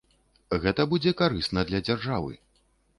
Гэта будзе карысна для дзяржавы.